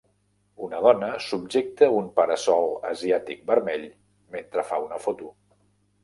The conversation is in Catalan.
Una dona subjecta un para-sol asiàtic vermell mentre fa una foto.